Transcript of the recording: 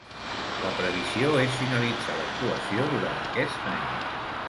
La previsió és finalitzar l'actuació durant aquest any.